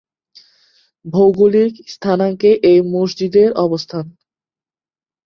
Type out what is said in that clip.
ভৌগোলিক স্থানাঙ্কে এই মসজিদের অবস্থান